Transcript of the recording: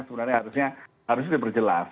sebenarnya harusnya harus diperjelas